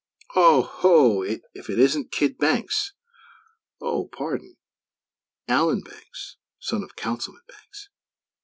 Oho! If it isn't kid Banks; oh, pardon! Allan Banks; son of Councilman Banks!